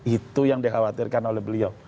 itu yang dikhawatirkan oleh beliau